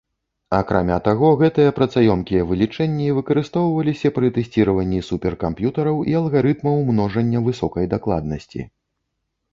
Акрамя таго, гэтыя працаёмкія вылічэнні выкарыстоўваліся пры тэсціраванні суперкамп'ютараў і алгарытмаў множання высокай дакладнасці.